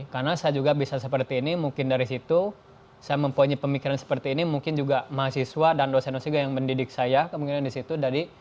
karena saya juga bisa seperti ini mungkin dari situ saya mempunyai pemikiran seperti ini mungkin juga mahasiswa dan dosen dosen yang mendidik saya kemungkinan disitu